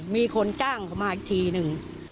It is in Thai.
มีคนจ้างเขามาอีกทีหนึ่ง